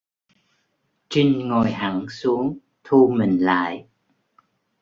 Trinh ngồi hẳn xuống thu mình lại